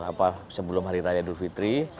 apa sebelum hari raya dufitri